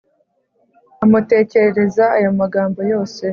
amutekerereza ayo magambo yose.